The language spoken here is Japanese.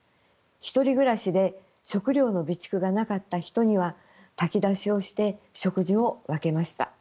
１人暮らしで食料の備蓄がなかった人には炊き出しをして食事を分けました。